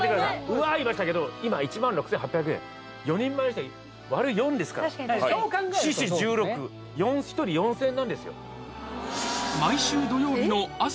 うわ言いましたけど今１６，８００円４人前割る４ですから確かに確かに４×４＝１６１人４０００円なんですよ